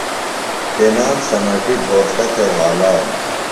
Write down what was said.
تنام سمَٹیۡ گھوݜتہ تھےۡ وھالانوۡ۔